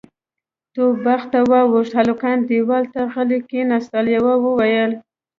توپ باغ ته واوښت، هلکان دېوال ته غلي کېناستل، يوه وويل: